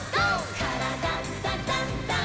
「からだダンダンダン」